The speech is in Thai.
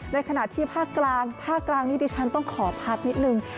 ในขณะที่ภาคกลางภาคกลางนี้ดิฉันต้องขอพักนิดนึง